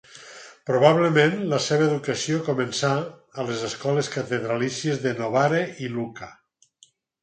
Probablement, la seva educació començà a les escoles catedralícies de Novara i Lucca.